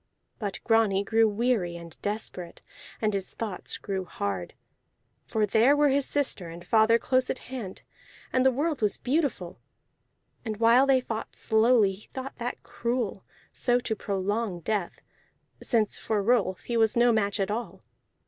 But Grani grew weary and desperate, and his thoughts grew hard. For there were his sister and father close at hand, and the world was beautiful. And while they fought slowly he thought that cruel, so to prolong death, since for Rolf he was no match at all.